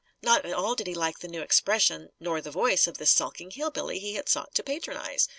Not at all did he like the new expression, nor the voice, of this sulking hill billy he had sought to patronise.